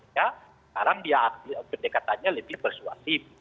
sekarang pendekatannya lebih persuasif